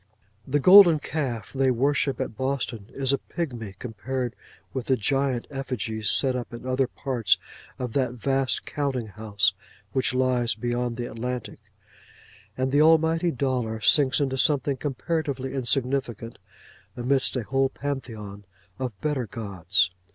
The golden calf they worship at Boston is a pigmy compared with the giant effigies set up in other parts of that vast counting house which lies beyond the Atlantic; and the almighty dollar sinks into something comparatively insignificant, amidst a whole Pantheon of better gods.